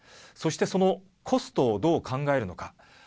そして、そのコストをどう考えるのか。